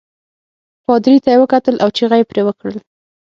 پادري ته یې وکتل او چغه يې پرې وکړل.